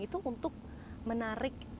itu untuk menarik